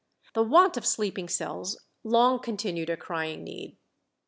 The want of sleeping cells long continued a crying need.